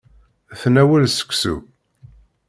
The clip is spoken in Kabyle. Tnawel seksu.